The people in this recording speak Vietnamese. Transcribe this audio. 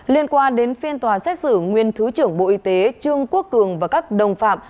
liên quan đến phiên tòa xét xử nguyên thứ trưởng bộ y tế trương quốc cường và các đồng phạm